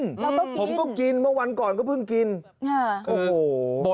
เราก็กินผมก็กินเมื่อวันก่อนก็เพิ่งกินโอ้โห